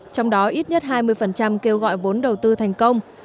trong đó ít nhất hai mươi kêu gọi vốn đầu tư thành công